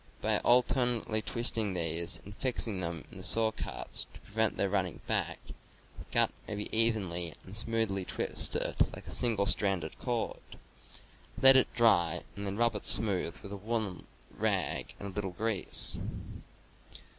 By alternately twisting these and fixing them in the saw cuts, to prevent their running back, the gut may be evenly and smoothly twisted like a single strand cord. Let it dry and then rub it smoothe with a woollen rag and a little grease.